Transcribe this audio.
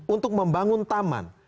untuk membangun taman